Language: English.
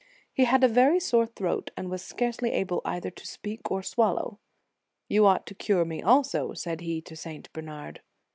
He had a very sore throat, and was scarcely able either to speak or swallow. " You ought to cure me also," said he to St. Bernard.